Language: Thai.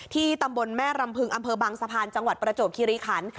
ตำบลแม่รำพึงอำเภอบางสะพานจังหวัดประจวบคิริขัน